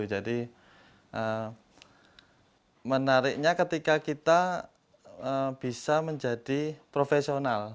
jadi menariknya ketika kita bisa menjadi profesional